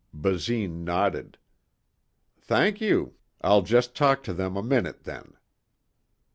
Basine nodded. "Thank you. I'll just talk to them a minute then."